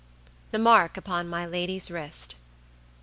THE MARK UPON MY LADY'S WRIST.